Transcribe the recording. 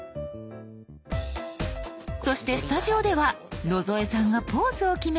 そしてスタジオでは野添さんがポーズを決めて。